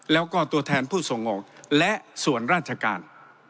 แล้วก็ตัวแทนผู้ส่งออกและส่วนราชการ